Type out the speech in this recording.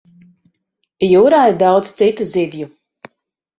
Jūrā ir daudz citu zivju.